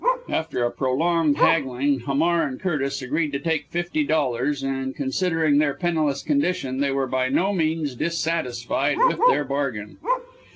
After a prolonged haggling, Hamar and Curtis agreed to take fifty dollars; and, considering their penniless condition, they were by no means dissatisfied with their bargain.